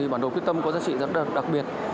bản đồ quyết tâm có giá trị rất là đặc biệt